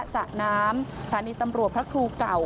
สระน้ำสถานีตำรวจพระครูเก่า